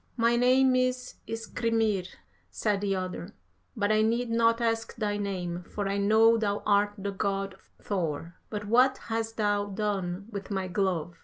"'My name is Skrymir, said the other, 'but I need not ask thy name, for I know thou art the God Thor. But what hast thou done with my glove?'